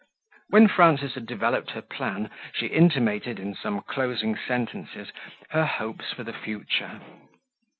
When Frances had developed her plan, she intimated, in some closing sentences, her hopes for the future.